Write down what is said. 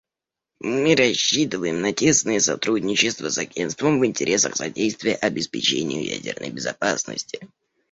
Мы рассчитываем на тесное сотрудничество с Агентством в интересах содействия обеспечению ядерной безопасности.